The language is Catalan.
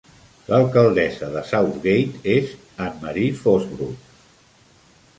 L'alcaldessa de Southgate és Anna Marie Fosbrooke.